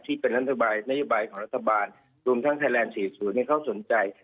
ที่เป็นนโยบายของรัฐบาลรวมทางไทยแลนด์๔สูตรเนี่ยเขาสนใจ